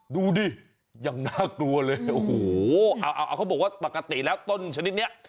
ดูนี่ยังน่ากลัวเลยอ่าที่เขาบอกปกติกับต้นชนิดนี้